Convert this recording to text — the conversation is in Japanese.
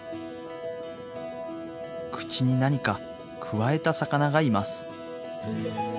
口に何かくわえた魚がいます。